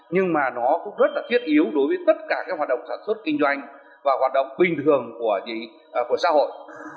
nhưng mà nó cũng rất là thiết yếu đối với tất cả các hoạt động sản xuất kinh doanh và hoạt động bình thường của xã hội